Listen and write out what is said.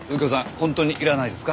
本当にいらないですか？